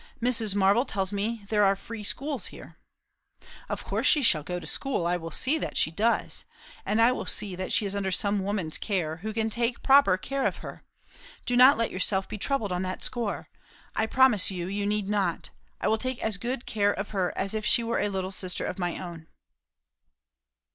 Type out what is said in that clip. Mrs. Marble tells me there are free schools here " "Of course she shall go to school. I will see that she does. And I will see that she is under some woman's care who can take proper care of her. Do not let yourself be troubled on that score. I promise you, you need not. I will take as good care of her as if she were a little sister of my own."